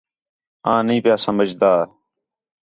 آں نہیں پیا سمجھدا